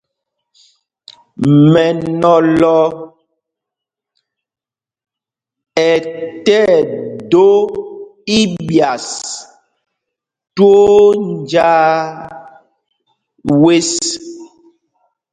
Mɛnɔlɔ ɛ tí ɛdō íɓyas twóó njāā zes.